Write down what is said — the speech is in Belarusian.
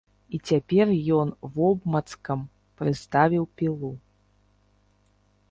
І цяпер ён вобмацкам прыставіў пілу.